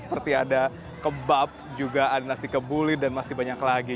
seperti ada kebab juga ada nasi kebuli dan masih banyak lagi